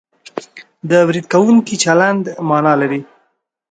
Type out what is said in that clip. د برید کوونکي چلند مانا لري